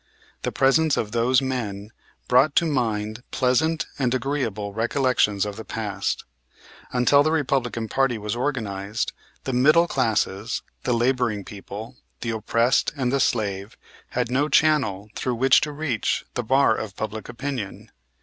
The presence of those men brought to mind pleasant and agreeable recollections of the past. Until the Republican party was organized, the middle classes, the laboring people, the oppressed and the slave had no channel through which to reach the bar of public opinion.